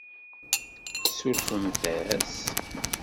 Tsurfemt-as?